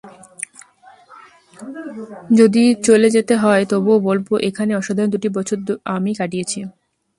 যদি চলে যেতে হয়, তবুও বলব এখানে অসাধারণ দুটি বছর আমি কাটিয়েছি।